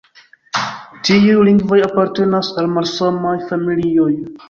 Tiuj lingvoj apartenas al malsamaj familioj.